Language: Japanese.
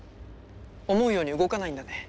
思うように動かないんだね。